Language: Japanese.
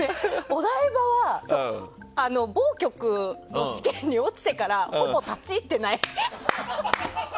お台場は某局の試験に落ちてからほぼ立ち入ってない。